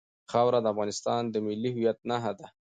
خاوره د افغانستان د ملي هویت نښه ده.